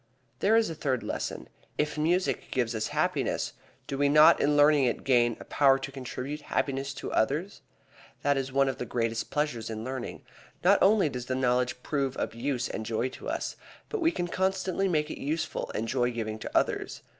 There is a third reason. If music gives us happiness, do we not in learning it gain a power to contribute happiness to others? That is one of the greatest pleasures in learning. Not only does the knowledge prove of use and joy to us, but we can constantly make it useful and joy giving to others.